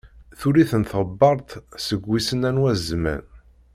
Tuli-ten tɣebbart seg wissen anwa zzman.